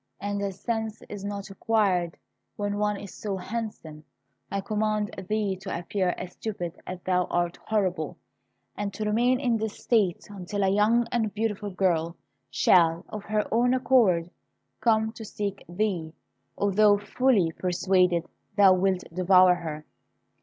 And as sense is not required when one is so handsome, I command thee to appear as stupid as thou art horrible, and to remain in this state until a young and beautiful girl shall, of her own accord, come to seek thee, although fully persuaded thou wilt devour her.